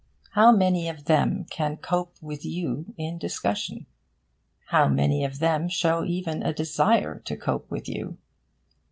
How many of them can cope with you in discussion? How many of them show even a desire to cope with you?